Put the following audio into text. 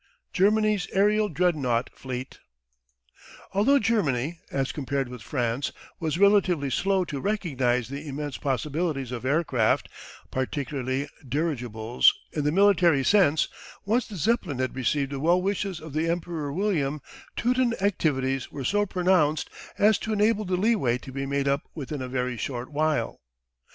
GERMANY'S AERIAL DREADNOUGHT FLEET Although Germany, as compared with France, was relatively slow to recognise the immense possibilities of aircraft, particularly dirigibles, in the military sense, once the Zeppelin had received the well wishes of the Emperor William, Teuton activities were so pronounced as to enable the leeway to be made up within a very short while.